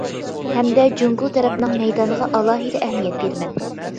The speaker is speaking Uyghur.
ھەمدە جۇڭگو تەرەپنىڭ مەيدانىغا ئالاھىدە ئەھمىيەت بېرىمەن.